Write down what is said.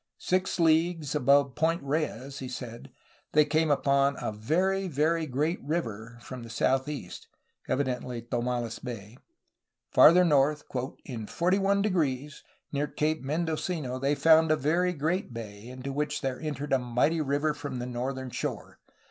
Six leagues above Point Reyes, he said, they came upon "a very, very great river^' from the southeast, — evidently Tomales Bay. Farther north "in 41®, near Cape Mendocino, they found a very great bay, into which there entered a mighty river from the northern shore.